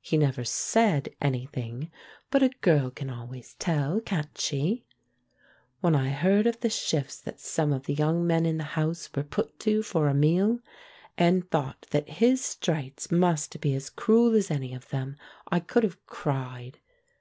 He never said anything, but a girl can always tell, can't she? When I heard of the shifts that some of the young men in the house were put to for a meal, and thought that his straits must be as cruel as any of them, I could have cried.